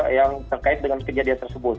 yang terkait dengan kejadian